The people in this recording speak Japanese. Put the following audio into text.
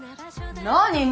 何何？